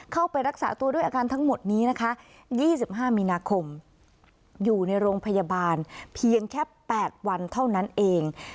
เข้าไปรักษาตัวด้วยอาการทั้งหมดนี้นะคะ๒๕มีนาคมอยู่ในโรงพยาบาลเพียงแค่๘วันเท่านั้นเอง